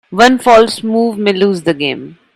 One false move may lose the game.